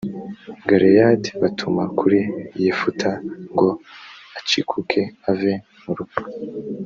galeyadi batuma kuri yefuta ngo acikuke ave mu rupfu